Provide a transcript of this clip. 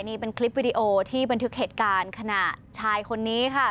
นี่เป็นคลิปวิดีโอที่บันทึกเหตุการณ์ขณะชายคนนี้ค่ะ